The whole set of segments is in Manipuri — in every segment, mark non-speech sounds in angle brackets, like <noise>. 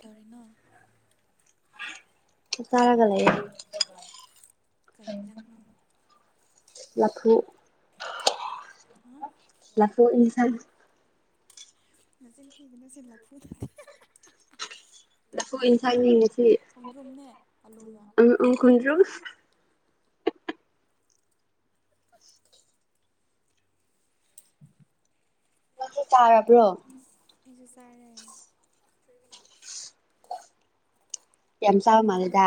ꯇꯔꯤꯅꯣ ꯇꯔꯒ ꯂꯩ ꯀꯩ ꯌꯦꯟꯖꯥꯡꯅꯣ ꯂꯐꯨ ꯍꯥ ꯂꯥꯛꯇꯣꯛ ꯏꯁꯥꯟ ꯅꯆꯤꯟꯒꯤꯅꯆꯤꯟ ꯂ ꯐꯨ ꯊꯦ ꯍꯣꯏ ꯏꯟ ꯆ ꯈꯣꯡꯗ꯭ꯔꯨꯝꯅꯦ ꯑꯂꯨꯒ ꯎ ꯈꯨꯟ꯭ꯔꯣ ꯆꯥꯔꯕ꯭ꯔꯣ ꯏꯁꯨ ꯆꯔꯦ ꯍꯦꯝꯁꯥꯕ ꯈꯣꯡꯗ꯭ꯔꯨꯝ ꯃꯥꯜꯗ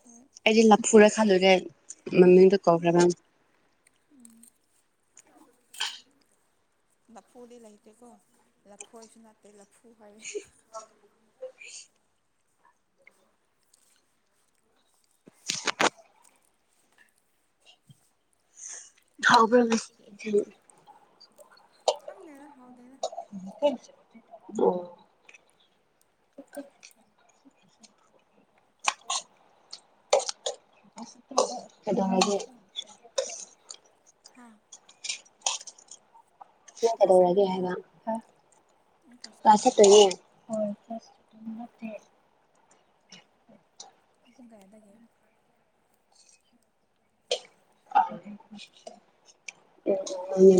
ꯍꯣꯏ ꯑꯩꯗꯤ ꯂꯐꯨꯔꯦ ꯈꯜꯂꯨꯨꯔꯦ ꯃꯃꯤꯅꯗꯣ ꯀꯧꯈ꯭ꯔꯕꯦꯝ ꯎꯝ ꯆꯣ ꯂꯐꯨꯗꯤ ꯂꯩꯇꯦꯀꯣ ꯂꯐꯨ ꯍꯥꯏꯁꯨ ꯅꯠꯇꯦ ꯂꯐꯨ ꯍꯥꯏꯔꯦ ꯍꯥꯎꯕ꯭ꯔ ꯍꯥꯎꯗꯦꯅ ꯑꯣ ꯀꯩꯗ ꯍꯥꯏꯒꯦ ꯍꯥ ꯀ꯭ꯂꯥꯁ ꯀꯩꯗꯧꯔꯒꯦ ꯆꯠꯀꯗ꯭ꯔꯣ ꯍꯥꯏꯕ ꯑꯩ ꯀꯩꯁꯨ ꯂꯥꯁ ꯇꯧꯗꯦ ꯆꯠꯇꯣꯏꯅꯦ ꯍꯣꯏ ꯆ ꯅꯦ ꯄ ꯄꯨꯡ ꯀꯌꯥꯗꯒꯦ ꯑꯗꯨ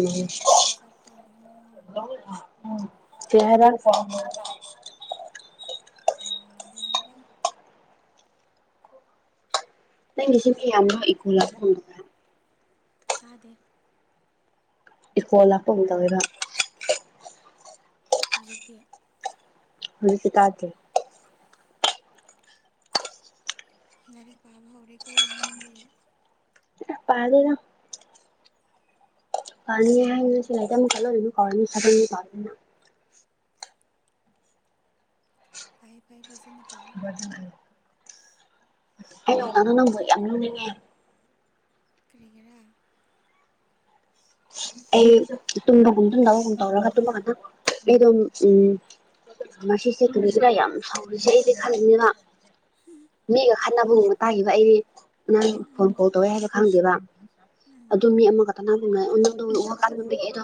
ꯄꯨꯡ ꯀꯌꯥꯗ ꯆꯠꯇꯣꯏꯅꯣ ꯔ ꯑꯅ ꯅꯪꯒꯤꯁꯤꯁ ꯌꯥꯝꯅ ꯏꯀꯣ ꯂꯥꯛꯄ ꯉꯝꯗ ꯇꯥꯗꯦ ꯏꯀꯣꯜ ꯂꯥꯛꯄꯒ ꯇꯧꯦꯔ ꯍꯧꯖꯤꯛꯇꯤ ꯍꯧꯁꯤ ꯇꯒꯦ ꯑꯔꯤꯒꯤ ꯄꯥꯕ ꯍꯔꯦꯒ ꯃꯤꯗꯤ ꯄꯥꯗꯒ ꯀꯥꯟ ꯁꯤꯥꯏ ꯃ ꯈꯜꯣ ꯑꯗꯨ ꯀꯣꯔ ꯆ ꯍꯥꯏꯥꯏ ꯐꯥꯏꯕꯖ ꯅꯨꯕꯥꯎ ꯗꯨ ꯍꯂꯣ ꯅꯅ ꯅꯕꯨꯣ ꯌꯥꯝꯅ ꯅꯅꯦ ꯀꯔꯤꯒꯔꯥ ꯑꯩ ꯇꯨꯝꯗꯒꯨꯝ ꯇꯨꯝꯗꯕꯒꯨꯝ ꯇꯧꯔꯒ ꯇꯨꯝꯃꯒꯗ ꯑꯩ ꯑꯗꯨꯝ ꯎꯝ ꯃꯁꯤ ꯁꯤꯁꯦ ꯀꯁꯤꯔ ꯌꯥꯝ ꯁꯥꯎꯔꯤꯁꯦ ꯑꯩꯗꯤ ꯈꯜꯂꯛꯅꯤꯅ ꯃꯤꯒ ꯈꯠꯅꯕꯕ ꯇꯥꯈꯤꯕ ꯑꯩ ꯅ ꯐꯣꯟ ꯎꯝ ꯀꯣꯜ ꯇꯧꯋꯦ ꯍꯥꯏꯕ ꯈꯪꯗꯦꯕ ꯎꯝ ꯑꯗꯨ ꯃꯤ ꯑꯃꯈꯛꯇꯅꯒ ꯎꯗꯧ ꯎ ꯋꯥ ꯀꯥꯟꯗꯒꯤ ꯑꯗꯣ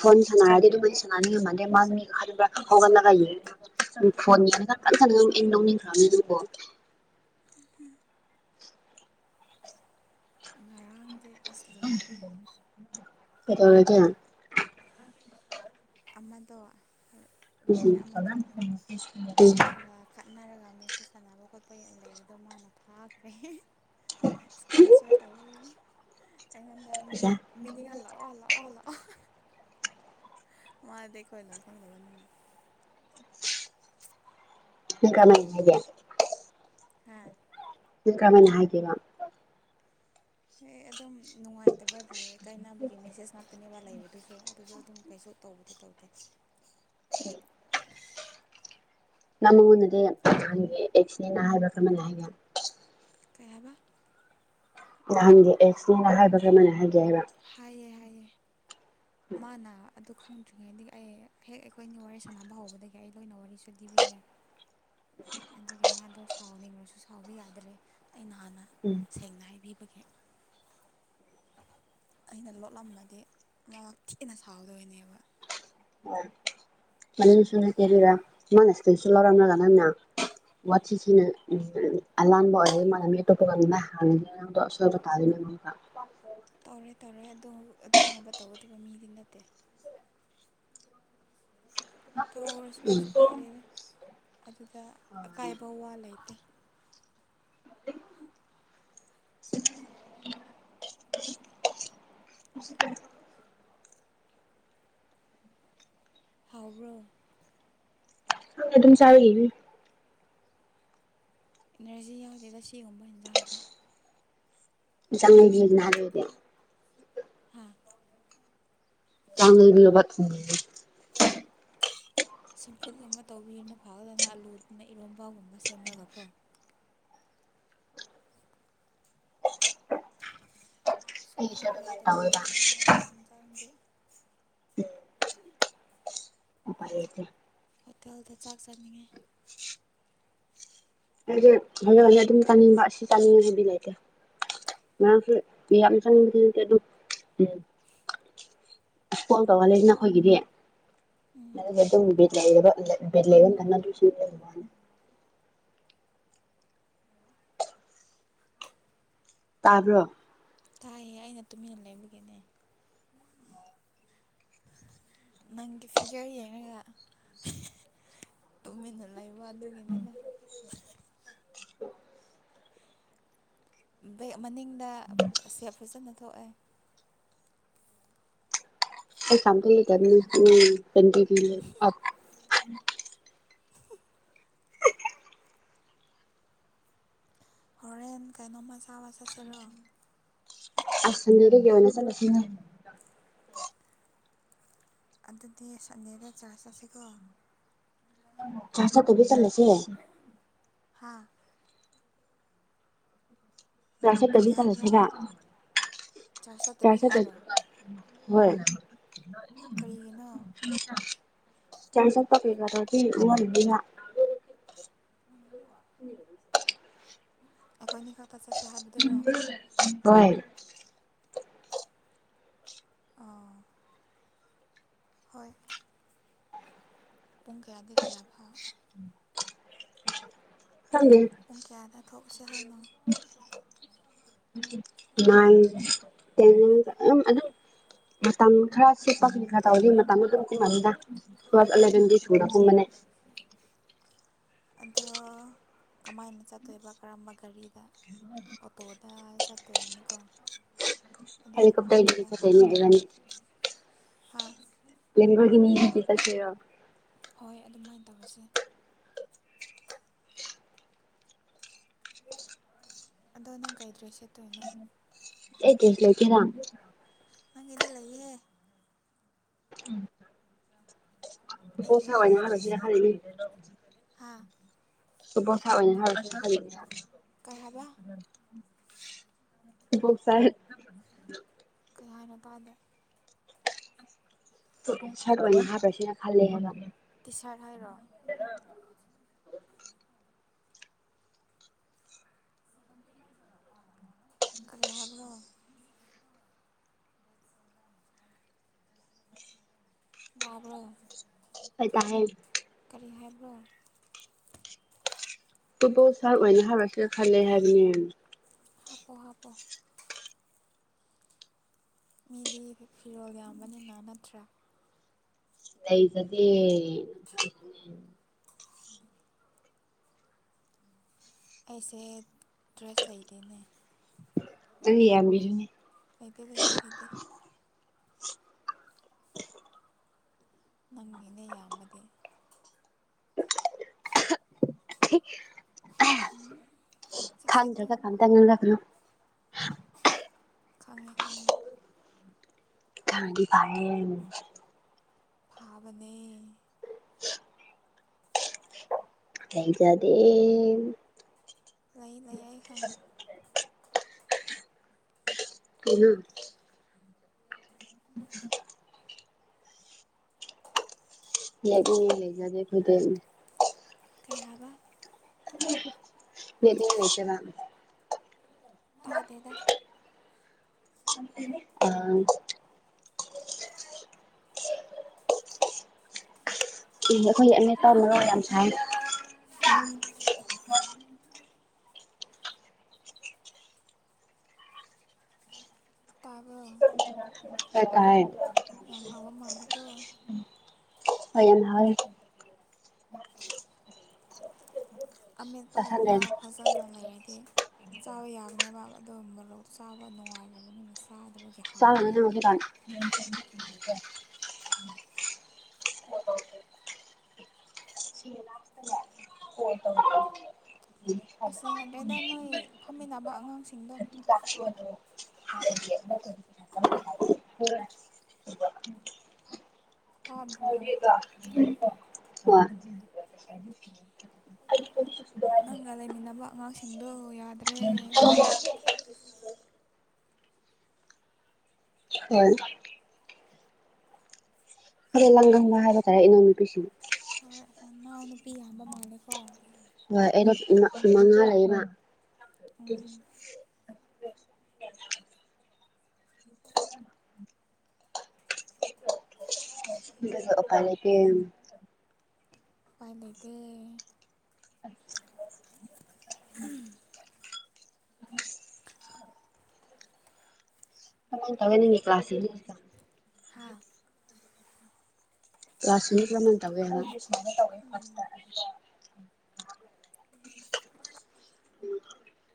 ꯐꯣꯟ ꯁꯅꯔꯗꯤ ꯑꯗꯨꯃꯗꯤ ꯁꯅꯤꯅꯦꯦ ꯃꯥꯥꯡꯒꯤ ꯈꯕ ꯍꯣꯒꯔꯂꯒꯏ ꯐꯣꯟꯅꯤ ꯈꯄ ꯈꯅ ꯑꯦꯟ ꯅꯧꯅꯤ ꯈꯅꯤ ꯑꯗꯨꯝꯕꯣ ꯑꯥꯡꯗ ꯑꯁ ꯂꯣꯏꯔ ꯍꯦ ꯀꯗꯒꯒ ꯑꯃꯃꯗ ꯎꯝ ꯔꯃꯩ ꯑꯃꯃꯗ ꯎꯝ ꯃꯥ ꯈꯠꯅꯔꯒ ꯃꯦꯆ ꯁꯥꯟꯅꯕ ꯈꯣꯠꯄ ꯌꯥꯝ ꯂꯩꯕꯗꯣ ꯃꯥꯅ ꯐꯥꯈ꯭ꯔꯦ ꯏꯁꯀ꯭ꯔꯤꯟ ꯁꯤꯌꯔ ꯊꯧꯕ ꯌꯥꯏ ꯑꯩꯉꯣꯟꯗ ꯃꯤꯅꯤꯡ ꯍꯜꯂꯛꯑꯣ ꯍꯜꯂꯛꯑꯣ ꯍꯜꯂꯛꯑꯣ ꯃꯥꯗꯤ ꯑꯩꯈꯣꯏ ꯂꯝ ꯈꯪꯗꯕꯅꯤꯅ ꯏꯀꯅꯤ ꯍꯥꯏꯒꯦ ꯍꯥꯥ ꯀꯅꯥꯅ ꯍꯥꯏꯒꯦꯕ ꯍꯦ ꯑꯗꯨꯝ ꯅꯨꯡꯉꯥꯏꯇꯕꯒꯤ ꯀꯥꯏꯅꯕꯒꯤ ꯃꯦꯁꯦꯖ ꯉꯥꯛꯇꯅꯦꯕ ꯂꯩꯕꯗꯨꯁꯨ ꯑꯗꯨꯁꯨ ꯑꯗꯨꯝ ꯀꯩꯁꯨ ꯇꯧꯕꯗꯤ ꯇꯧꯗꯦ ꯃꯉꯣꯟꯗꯗꯤ ꯅꯍꯥꯟꯒꯤ ꯑꯦꯛꯁꯤꯗꯦꯟꯅꯦ ꯍꯥꯏꯕ꯭ꯔ ꯀꯩꯅꯣꯝꯃ ꯍꯥꯏꯅꯦ ꯀꯩꯍꯥꯏꯕ ꯅꯍꯥꯟꯒꯤ ꯑꯦꯛꯁꯅꯦꯅ ꯍꯥꯏꯕ ꯀꯔꯃꯥꯏꯅ ꯍꯥꯏꯒꯦ ꯍꯥꯏꯕ ꯍꯥꯏꯌꯦ ꯍꯥꯏꯌꯦ ꯃꯥꯅ ꯑꯗꯨ ꯈꯪꯗ꯭ꯔꯤꯉꯩꯗꯒꯤ ꯑꯩ ꯍꯦꯛ ꯑꯩꯈꯣꯏꯅꯤ ꯋꯥꯔꯤ ꯁꯥꯟꯅꯕ ꯍꯧꯕꯗꯒꯤ ꯑꯩ ꯂꯣꯏꯅ ꯋꯥꯔꯤꯁꯨ ꯂꯤꯕꯤꯒꯦ ꯑꯗꯨꯒꯤ ꯃꯥꯗꯣ ꯁꯥꯎꯅꯤꯡꯕꯁꯨ ꯁꯥꯎꯕ ꯌꯥꯗ꯭ꯔꯦ ꯑꯩꯅ ꯍꯥꯟꯅ ꯎꯝ ꯁꯦꯡꯅ ꯍꯥꯏꯕꯤꯕꯒꯤ ꯑꯩꯅ ꯂꯣꯠꯂꯝꯃꯗꯤ ꯃꯥ ꯊꯤꯅ ꯁꯥꯎꯗꯣꯏꯅꯦꯕ ꯃꯅꯤꯁꯤꯡ ꯍꯥꯏ ꯀꯦꯕꯤꯔꯥ ꯃꯥꯟꯁꯤ ꯀ ꯏꯁꯨꯜ ꯂꯧꯎꯔꯝꯅꯒꯥ ꯅꯪꯅ ꯋꯥꯠꯆꯤꯁꯤꯅ ꯂꯝꯕ ꯑꯔꯦ ꯃ ꯃꯦꯇꯣ ꯄꯒ ꯅ ꯅꯪꯗꯣ ꯑꯁꯣꯏꯕ ꯇꯥꯔꯦꯅꯦ <inaudible> ꯇꯧꯔꯦ ꯇꯧꯔꯦ ꯑꯗꯨ ꯑꯗꯨꯒꯨꯝꯕ ꯇꯧꯒꯗꯕ ꯃꯤꯗꯤ ꯅꯠꯇꯦ ꯇꯧꯔꯁꯨ ꯎꯝ ꯀꯩꯁꯨ ꯀꯥꯏꯗꯦꯅ ꯑꯗꯨꯗ ꯑꯀꯥꯏꯕ ꯋꯥ ꯂꯩꯇꯦ <inaudible> <inaudible> ꯐꯥꯎꯔꯣ ꯑꯗꯨꯝ ꯆꯥꯏꯅꯤ ꯑꯦꯅꯔꯖꯤ ꯌꯥꯎꯗꯦꯗ ꯁꯤꯒꯨꯝꯕ ꯏꯟꯖꯥꯡꯗꯤ <unintelligible> ꯍꯥꯥ <unintelligible> ꯁꯝꯐꯨꯠꯀꯨꯝꯕ ꯇꯧꯕꯤꯔꯗꯤ ꯐꯥꯒꯗꯕ ꯑꯂꯨꯗꯨꯅ ꯏꯔꯣꯝꯕꯒꯨꯝꯕ ꯁꯦꯝꯂꯒꯀꯣ ꯑꯩꯁꯨ ꯑꯗꯨꯃꯥꯏꯅ ꯌꯥꯗꯔꯦ ꯇꯧꯋꯦꯕ ꯑꯧꯟꯖꯥꯡꯗꯤ <unintelligible> ꯍꯣꯇꯦꯜꯗ ꯆꯥꯛ ꯆꯥꯅꯤꯡꯉꯦ ꯍꯥꯏꯗꯤ ꯍꯦꯟꯅ ꯍꯦꯟꯅ ꯑꯗꯨꯝ ꯆꯥꯅꯤꯡꯕ ꯑꯁꯤ ꯆꯥꯅꯤꯡꯉꯦ ꯍꯥꯏꯕꯤ ꯂꯩꯇꯦ ꯉꯔꯥꯡꯁꯨꯌꯥꯝ ꯆꯪꯕꯗꯤ ꯅꯠꯇꯦ ꯑꯗꯨꯝ ꯎꯝ ꯁ꯭ꯀꯣꯜ ꯀꯧꯍꯜꯂꯤꯁꯤꯅ ꯑꯩꯈꯣꯏꯒꯤꯗꯤ ꯎꯝ <unintelligible> ꯇꯥꯕ꯭ꯔꯣ ꯊꯥꯏꯌꯦ ꯑꯩꯅ ꯇꯨꯃꯤꯟꯅ ꯂꯩꯕꯒꯤꯅꯦ ꯅꯪꯒꯤ ꯐꯤꯒꯔ ꯌꯦꯡꯉꯒ ꯇꯨꯃꯤꯟꯅ ꯂꯩꯕ ꯑꯗꯨꯒꯤꯅꯤꯅ ꯕꯦꯛ ꯃꯅꯤꯡꯗ ꯁꯦꯞ ꯐꯖꯅ ꯊꯣꯛꯑꯦ <unintelligible> ꯅꯪ ꯀꯩꯅꯣꯝꯃ ꯆꯥꯕ ꯆꯠꯁꯦꯔꯣ ꯑꯁ ꯁꯟꯗꯦꯔꯒꯤ ꯑꯣꯏꯅ ꯆꯂꯁꯤꯅꯦ ꯑꯗꯨꯗꯤ ꯁꯟꯗꯦꯗ ꯆꯥꯔꯖ ꯆꯠꯁꯤꯀꯣ ꯆꯠꯄꯨꯗꯤ ꯆꯠꯂꯁꯦ ꯍꯥꯥ ꯆꯔꯁꯗꯤ ꯀꯔꯤ ꯍꯥꯏꯕ꯭ꯔꯣ ꯆꯂꯁꯦꯒ ꯆꯔꯆ ꯆꯠꯇꯕꯤ ꯆꯥꯁ ꯍꯥꯏꯔꯣ ꯍꯣꯏ꯫ ꯀꯔꯤꯒꯤꯅꯣ꯫ ꯆꯔꯁ ꯆꯠꯄ ꯀꯩꯀꯗꯤꯒꯤ ꯋꯔꯤꯅꯤꯗ꯫ ꯑꯩꯈꯣꯏꯅꯤ ꯈꯛꯇꯠ ꯆꯠꯁꯤ ꯍꯥꯏꯕꯗꯨꯔꯣ꯫ ꯍꯣꯏ꯫ ꯑꯣ꯫ ꯍꯣꯏ ꯄꯨꯡ ꯀꯌꯥꯗꯤ ꯀꯌꯥ ꯐꯥꯎ꯫ ꯈꯪꯗꯦ꯫ ꯄꯨꯡ ꯀꯌꯥꯗ ꯊꯣꯛꯎꯁꯤ ꯍꯥꯏꯅꯣ꯫ ꯅꯥꯏꯟ ꯇꯦꯟ ꯑꯗꯨꯝ ꯑꯗꯨꯝ ꯃꯇꯝ ꯈꯔ <unintelligible> ꯈꯔ ꯇꯧꯔꯤ ꯃꯇꯝ ꯑꯗꯨꯝ ꯀꯨꯝꯃꯅꯤꯅ꯫ ꯇꯨꯌꯦꯜꯞ ꯏꯂꯥꯕꯦꯜ ꯗꯤ ꯊꯨꯅ ꯀꯨꯝꯕꯅꯦ꯫ ꯑꯗꯣ ꯀꯃꯥꯏꯅ ꯆꯠꯇꯣꯏꯕ ꯀꯔꯝꯕ ꯒꯥꯔꯤꯗ ꯑꯣꯇꯣꯗ ꯆꯥꯠꯇꯣꯏꯅꯤꯀꯣ ꯑꯗꯨꯅ ꯍꯦꯂꯤꯀꯣꯞꯇꯔꯗꯒꯤ ꯐꯥꯅꯤꯗ꯫ ꯆꯠꯇꯣꯏꯅꯦ ꯏꯕꯥꯅꯤ ꯍ꯫ <unintelligible> ꯃꯤꯒꯤꯗꯤ ꯆꯠꯁꯤꯔ꯫ ꯍꯣꯏ ꯑꯗꯨꯃꯥꯏꯅ ꯇꯧꯔꯁꯦ꫰꫰ ꯑꯗꯣ ꯅꯪ ꯀꯩ ꯗꯔꯦꯁ ꯆꯦꯠꯇꯣꯏꯅꯣ꯫ ꯑꯩ ꯗꯔꯦꯁ ꯂꯩꯇꯦꯅ꯫ ꯅꯪꯒꯤꯗꯤ ꯂꯩꯌꯦ꯫ <unintelligible> ꯑꯩꯒꯤꯅꯦ ꯑꯣꯏꯅ ꯈꯟꯂꯤꯅꯤ꯫ ꯍꯥꯥ꯫ ꯇꯨꯄꯣꯛ ꯁꯥ ꯑꯣꯏꯅ ꯍꯠꯂꯤꯁꯤ ꯈꯟꯂꯤꯅꯤ ꯍꯥꯏꯕ꯫ ꯀꯩ ꯍꯥꯏꯕ꯫ <unintelligible> ꯀꯩ ꯍꯥꯏꯅꯣ ꯇꯥꯗꯦ꯫ <unintelligible> ꯁꯔꯠ ꯑꯣꯏꯅ ꯍꯥꯞꯔꯁꯤꯅ ꯈꯜꯂꯦ ꯍꯥꯏꯕ꯫ ꯇꯤ ꯁꯥꯔꯠ ꯍꯥꯏꯔꯣ꯫ ꯀꯔꯤ ꯍꯥꯏꯕ꯭ꯔꯣ꯫ ꯇꯕꯔꯣ꯫ ꯑꯩ ꯇꯥꯏꯌꯦ꯫ ꯀꯔꯤ ꯍꯥꯏꯕ꯭ꯔꯥ꯫ ꯇꯨꯄꯣꯛ ꯁꯔꯥꯠ ꯑꯣꯏꯅ ꯍꯥꯑꯣꯔꯁꯤꯔ ꯈꯜꯂꯦ ꯍꯥꯏꯕꯅꯦ꯫ ꯍꯥꯄꯣ ꯍꯥꯄꯣ꯫ ꯃꯤꯗꯤ ꯐꯤꯔꯣꯜ ꯌꯥꯝꯕꯅꯤꯅ ꯅꯠꯇ꯭ꯔꯥ꯫ ꯂꯩꯖꯗꯦ꯫ ꯑꯩꯁꯦ ꯗ꯭ꯔꯦꯁ ꯂꯩꯗꯦꯅꯦ꯫ ꯑꯒꯤ ꯌꯥꯝꯃꯤꯗꯨꯅꯤ꯫ ꯂꯩꯇꯦ ꯂꯩꯇꯦ ꯂꯩꯇꯦ꯫ ꯅꯪꯒꯤꯅꯦ ꯌꯥꯝꯕꯗꯤ꯫ ꯆꯦꯛꯁꯤꯜꯂꯨ ꯈꯪꯗꯔꯒ ꯈꯪꯇꯥꯛ ꯉꯥꯡꯂꯛꯀꯅꯨ꯫ ꯈꯪꯉꯦ ꯈꯪꯉꯦ꯫ ꯊꯥꯗꯤ ꯊꯥꯌꯦ꫰꫰ ꯊꯥꯕꯅꯦ꯫ ꯀꯩꯖꯗꯦ꯫ ꯂꯩ ꯂꯩ ꯑꯩ ꯈꯪꯉꯦ꯫ ꯀꯩꯅꯣ꯫ <unintelligible> ꯂꯩꯅꯤꯡꯉꯥꯏ ꯂꯩꯖꯗꯦ ꯑꯈꯣꯏꯗꯤ꯫ ꯀꯩ ꯍꯥꯏꯕ꯫ <inaudible> <unintelligible> ꯇꯥꯗꯦꯗ <inaudible> ꯎꯝ ꯑꯈꯣꯏꯒꯤ ꯑꯃꯦꯠꯄꯥ ꯃꯔꯣꯛ ꯌꯥꯝ ꯁꯥꯏ ꯇꯥꯕ꯭ꯔꯣ ꯈꯔ ꯇꯥꯏ ꯌꯥꯝ ꯍꯥꯎꯕ ꯃꯥꯜꯂꯤꯀꯣ ꯍꯣꯏ ꯌꯥꯝ ꯍꯥꯎꯋꯦ ꯆꯥꯁꯜꯂꯦ ꯑꯃꯦꯠꯄꯒꯨꯝꯕ ꯐꯖ ꯂꯩꯔꯗꯤ ꯆꯥꯕ ꯌꯥꯕꯅꯦꯕ ꯑꯗꯨꯒ ꯃꯣꯔꯣꯛ ꯆꯥꯕ ꯅꯨꯡꯉꯥꯏ <unintelligible> ꯆꯥꯗꯕꯒꯤ ꯆꯥꯔꯨꯅꯨ ꯍꯥꯎꯇ꯭ꯔꯦ ꯅꯪ <inaudible> <inaudible> ꯑꯁ ꯌꯥꯗꯦꯗ ꯅꯣꯏ ꯐꯝꯃꯤꯟꯅꯕ ꯑꯉꯥꯡꯁꯤꯡꯗꯣ <unintelligible> ꯇꯥꯗ꯭ꯔꯣ ꯍꯣꯏ ꯅꯪꯒ ꯂꯩꯃꯤꯟꯅꯕ ꯑꯉꯥꯡꯁꯤꯡꯗꯣ ꯌꯥ <inaudible> <inaudible> ꯍꯣꯏ ꯈꯔ ꯂꯪꯒꯟꯕ ꯍꯥꯏꯕ ꯇꯥꯔꯦ ꯏꯅꯥꯎ ꯅꯨꯨꯄꯤꯁꯤꯡꯅ ꯍꯣꯏ ꯅꯅꯥꯎ ꯅꯨꯄꯤ ꯌꯥꯝꯕ ꯃꯥꯜꯂꯦꯀꯣ ꯍꯣꯏ ꯑꯩ ꯃ ꯃꯉꯥ ꯂꯩꯕ ꯎꯝ <unintelligible> ꯎꯄꯥꯏ ꯂꯩꯇꯦ ꯏꯄꯥꯏ ꯂꯩꯇꯦ <inaudible> ꯀꯥꯃꯥꯏꯟ ꯇꯧꯏ ꯅꯪꯒꯤ ꯀ꯭ꯂꯥꯁꯁꯦ ꯍꯥ ꯀꯂ꯭ꯥꯁ <unintelligible> ꯇꯧꯋꯦ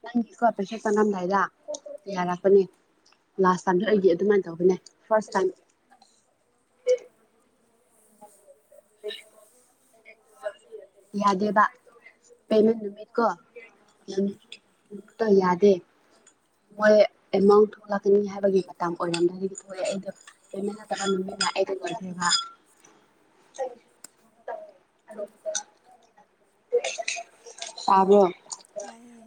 ꯅꯪꯒꯤꯀꯣ ꯄꯩꯁꯥ ꯆꯪꯂꯝꯗꯥꯏꯗ ꯌꯥꯔꯛꯀꯅꯤ ꯂꯥꯁ ꯇꯥꯏꯝꯗ ꯑꯩꯗꯤ ꯑꯗꯨꯃꯥꯏꯅ ꯇꯧꯕꯅꯦ ꯐꯥꯔꯁ ꯇꯥꯏꯝ <inaudible> ꯌꯥꯗꯦꯕ ꯄꯦꯃꯦꯟ ꯅꯨꯃꯤꯠ ꯀꯣ <unintelligible> ꯌꯥꯗꯦ ꯃꯣꯏ ꯑꯦꯃꯥꯎꯟ ꯊꯣꯛꯂꯛꯀꯅꯤ ꯍꯥꯏꯕꯒꯤ ꯃꯇꯝ ꯑꯣꯏꯔꯝꯗꯒꯤ ꯊꯣꯛꯑꯦ ꯑꯩꯗꯣ ꯄꯦꯃꯦꯟ ꯅꯠꯇꯕ ꯅꯨꯃꯤꯠꯅ <unintelligible> ꯇꯥꯕ꯭ꯔꯣ ꯇꯥꯏꯌꯦ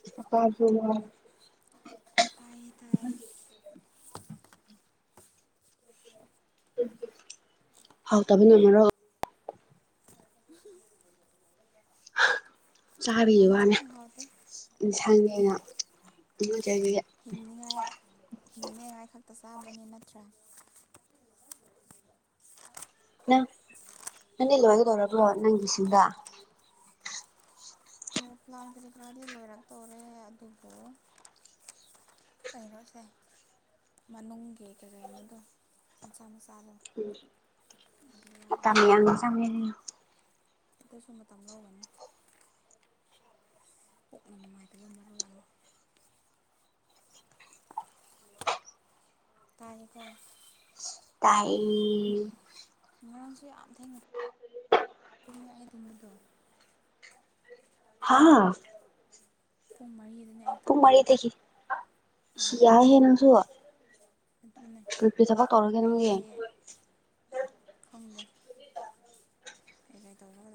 <unintelligible> ꯇꯥꯏꯌꯦ ꯇꯥꯏꯌꯦ <inaudible> ꯍꯥꯎꯇꯕꯅꯦ ꯃꯣꯔꯣꯛ ꯆꯥꯕꯩ ꯌꯥꯝ ꯋꯥꯅꯦ ꯊꯤꯅ ꯍꯥꯎꯇꯦ ꯏꯟꯁꯥꯡꯅꯦ <unintelligible> ꯍꯤꯡꯅꯤꯉꯥꯏ ꯍꯤꯡꯅꯤꯉꯥꯏ ꯈꯛꯇ ꯆꯥꯕꯅꯤ ꯅꯠꯇ꯭ꯔꯥ ꯅꯪ ꯅꯪꯗꯤ ꯂꯣꯏꯒꯗꯧꯔꯕ꯭ꯔꯣ ꯅꯪꯒꯤꯁꯤꯡꯗ <unintelligible> ꯈꯔꯗꯤ ꯂꯣꯏꯔꯛꯇꯧꯔꯦ ꯑꯗꯨꯕꯨ ꯀꯩꯅꯣꯁꯦ ꯃꯅꯨꯡꯒꯤ ꯀꯩꯀꯩꯅꯣꯗꯣ ꯃꯆꯥ ꯃꯆꯥꯗꯣ ꯎꯝ ꯑꯗꯨ ꯋꯥꯠꯂꯤ ꯃꯇꯝ ꯌꯥꯝ ꯆꯪꯉꯦ ꯑꯗꯨꯁꯨ ꯃꯇꯝ ꯂꯧꯕꯅꯤ ꯀꯣꯛꯅ ꯅꯨꯡꯉꯥꯏꯇꯕ ꯃꯔꯣꯜ ꯑꯃ ꯇꯥꯏꯌꯦꯀꯣ ꯇꯥꯏ ꯉꯔꯥꯡꯁꯨ ꯌꯥꯝ ꯊꯦꯡꯅꯩ ꯑ ꯑꯩ ꯑꯗꯨꯨꯝꯕꯗꯣ ꯍꯥꯥ ꯄꯨꯡ ꯃꯔꯤꯗꯅꯤ ꯑꯩ ꯄꯨꯡ ꯃ ꯇꯨꯝꯕꯗꯣ ꯇ ꯁꯤ ꯑꯥ ꯌꯥ ꯍꯦ ꯅꯪꯁꯨ ꯑꯗꯨꯅꯦ ꯀꯔꯤ ꯀꯔꯤ ꯊꯕꯛ ꯇꯧꯔꯒꯦ ꯅꯪꯗꯤ ꯑꯩꯗꯤ ꯈꯪꯗꯦ ꯀꯒ ꯇꯧꯕꯔ